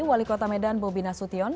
wali kota medan bobi nasution